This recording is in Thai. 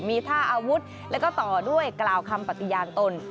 มีท่าอาวุธแล้วก็ต่อด้วยกล่าวคำปฏิญาณตน